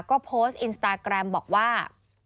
ก็โพสต์อินสตาแกรมบอกว่า